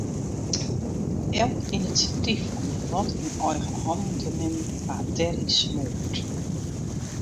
Elk inisjatyf om myn lot yn eigen hannen te nimmen waard deryn smoard.